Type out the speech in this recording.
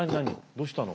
どうしたの？